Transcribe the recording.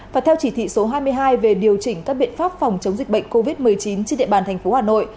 và theo chỉ thị số hai mươi hai về điều chỉnh các biện pháp phòng chống dịch bệnh covid một mươi chín trên địa bàn thành phố hà nội